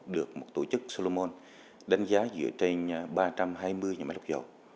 được một tổ chức solomon đánh giá dựa trên ba trăm hai mươi những máy lọc dầu